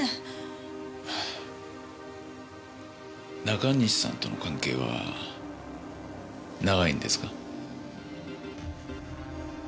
中西さんとの関係は長いんですか？